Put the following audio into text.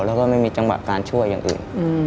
แล้วก็ไม่มีจังหวะการช่วยอย่างอื่น